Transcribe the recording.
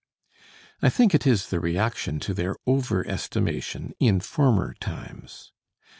I think it is the reaction to their over estimation in former times.